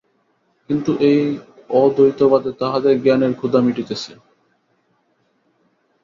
কিন্তু এই অদ্বৈতবাদে তাঁহাদের জ্ঞানের ক্ষুধা মিটিতেছে।